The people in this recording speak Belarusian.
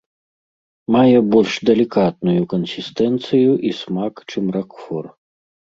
Мае больш далікатную кансістэнцыю і смак, чым ракфор.